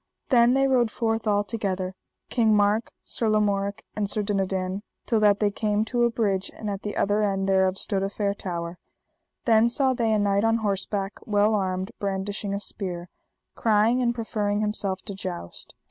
Then they rode forth all together, King Mark, Sir Lamorak, and Sir Dinadan, till that they came to a bridge, and at the end thereof stood a fair tower. Then saw they a knight on horseback well armed, brandishing a spear, crying and proffering himself to joust.